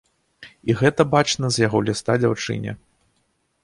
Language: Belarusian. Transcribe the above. І гэта бачна з яго ліста дзяўчыне.